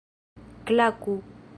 klaku